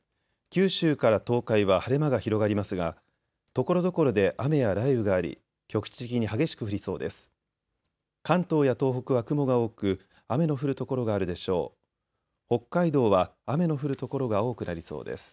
九州から東海は晴れ間が広がりますがところどころで雨や雷雨があり局地的に激しく降りそうです。